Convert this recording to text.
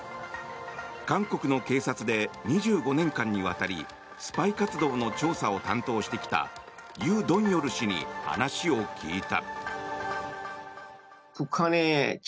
韓国の警察で２５年間にわたりスパイ活動の調査を担当してきたユ・ドンヨル氏に話を聞いた。